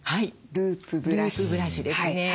ループブラシですね。